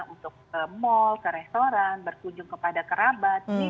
untuk ke mall ke restoran berkunjung kepada kerabat